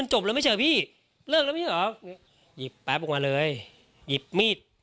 หยิบมีด